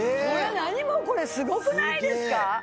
何もうこれすごくないですか？